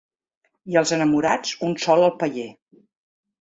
I els enamorats un sol al paller.